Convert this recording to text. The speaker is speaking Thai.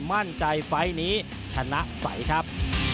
มั่นใจไฟล์นี้ชนะใสครับ